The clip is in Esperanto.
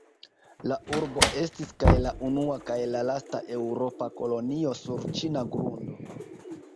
La urbo estis kaj la unua kaj la lasta eŭropa kolonio sur ĉina grundo.